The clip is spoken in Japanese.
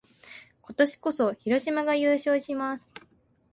今年こそ、広島が優勝します！